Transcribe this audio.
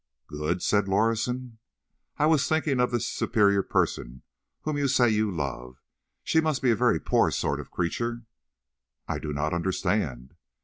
"Good?" said Lorison. "I was thinking of this superior person whom you say you love. She must be a very poor sort of creature." "I do not understand."